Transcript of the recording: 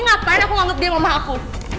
jadi gapain aku ngomong ke dia mama aku